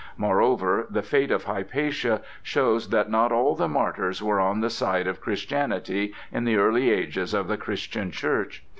Moreover, the fate of Hypatia shows that not all the martyrs were on the side of Christianity in the early ages of the Christian church.